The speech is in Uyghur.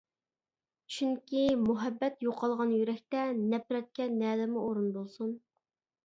چۈنكى، مۇھەببەت يوقالغان يۈرەكتە نەپرەتكە نەدىمۇ ئورۇن بولسۇن!